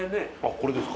これですか？